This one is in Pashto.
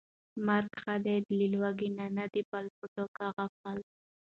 مرګ ښه دى له لوږې نه، نه د بل په ټوک غپل